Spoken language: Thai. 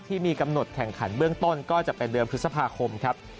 ที่มีกำหนดแข่งขันเบื้องต้นก็จะเป็นเดือนพฤษภาคมครับ